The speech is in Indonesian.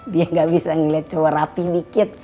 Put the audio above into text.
dia gak bisa ngeliat cowok rapih dikit